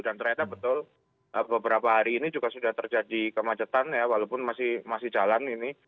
dan ternyata betul beberapa hari ini juga sudah terjadi kemacetan ya walaupun masih jalan ini